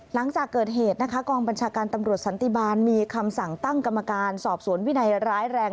หลังจากเกิดเหตุนะคะกองบัญชาการตำรวจสันติบาลมีคำสั่งตั้งกรรมการสอบสวนวินัยร้ายแรง